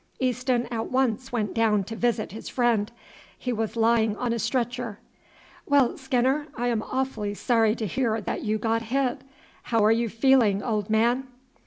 Easton at once went down to visit his friend. He was lying on a stretcher. "Well, Skinner, I am awfully sorry to hear that you got hit. How are you feeling, old man?"